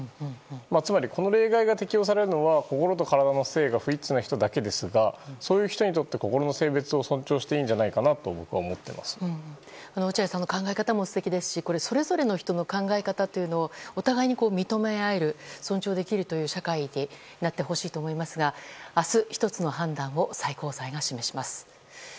つまりこの例外が適用されるのは心と体の性が不一致な人だけですがそういう人にとって心の性別を尊重していいんじゃないかと落合さんに考え方も素敵ですしそれぞれの人の考え方をお互いに認め合える尊重できるという社会になってほしいと思いますが明日、１つの判断を最高裁が示します。